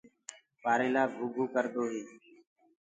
پآريل گھوگھو ڪردو هي۔